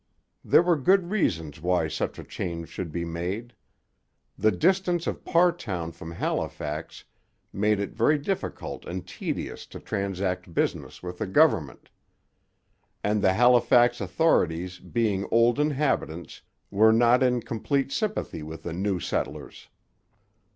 There were good reasons why such a change should be made. The distance of Parrtown from Halifax made it very difficult and tedious to transact business with the government.' and the Halifax authorities, being old inhabitants, were not in complete sympathy with the new settlers.